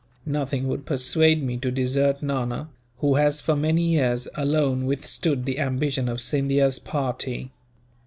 Nothing would persuade me to desert Nana; who has, for many years, alone withstood the ambition of Scindia's party.